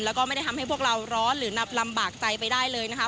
แล้วก็ไม่ได้ทำให้พวกเราร้อนหรือนับลำบากใจไปได้เลยนะคะ